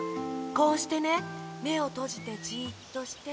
こうしてねめをとじてじっとして。